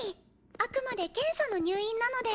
あくまで検査の入院なので。